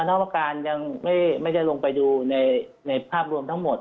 น้องประการยังไม่ได้ลงไปดูในภาพรวมทั้งหมด